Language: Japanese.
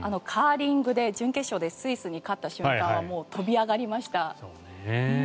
カーリングで準決勝でスイスに勝った瞬間は跳び上がりました。